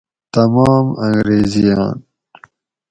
تمام انگریزیان